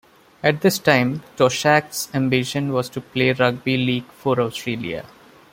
At this time, Toshack's ambition was to play rugby league for Australia.